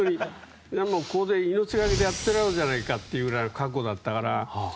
命がけでやってやろうじゃないかというぐらいの覚悟だったから。